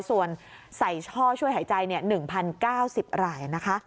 ส่วนใส่ช่อช่วยหายใจ๑๐๙๐รายนะคะ